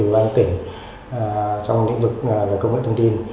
trong tỉnh trong lĩnh vực về công nghệ thông tin